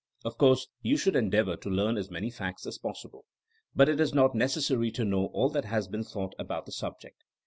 Of course you should en deavor to learn as many facts as possible. But it is not necessary to know all that has been thought about the subject.